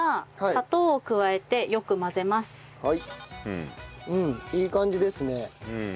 うんいい感じですね。